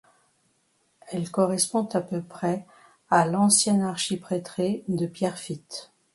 Elle correspond à peu près à l'ancien archiprêtré de Pierrefitte.